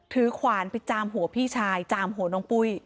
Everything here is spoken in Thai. ขวานไปจามหัวพี่ชายจามหัวน้องปุ้ย